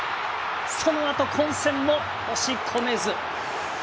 そのあと混戦も押し込めず。